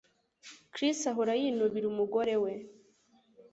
Chris ahora yinubira umugore we